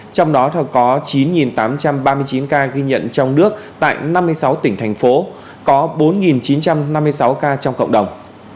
trong đó có chín tám trăm ba mươi chín ca ghi nhận trong nước tại năm mươi sáu tỉnh thành phố có bốn chín trăm năm mươi sáu ca trong cộng đồng